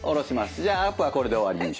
じゃあアップはこれで終わりにします。